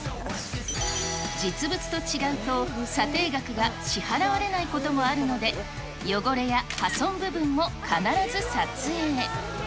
実物と違うと、査定額が支払われないこともあるので、汚れや破損部分も必ず撮影。